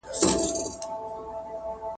د کافي پیالې ته ناست دی په ژړا دی ,